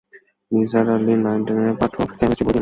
Nisar Ali nine টেনের পাঠ্য chemist বই কিনে এনে পড়া শুরু করলেন।